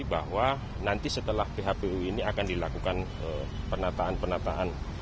bahwa nanti setelah phpu ini akan dilakukan penataan penataan